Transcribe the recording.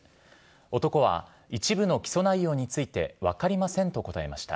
男は一部の起訴内容について、分かりませんと答えました。